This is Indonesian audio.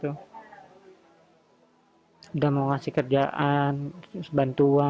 sudara nanda mengasih kerjaan bantuan